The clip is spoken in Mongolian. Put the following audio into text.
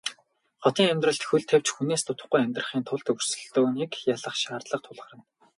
Хотын амьдралд хөл тавьж хүнээс дутахгүй амьдрахын тулд өрсөлдөөнийг ялах шаардлага тулгарна.